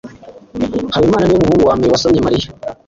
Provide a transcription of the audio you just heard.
habimana niwe muhungu wambere wasomye mariya